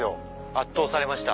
圧倒されました。